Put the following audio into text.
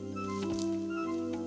janganlah kau berguna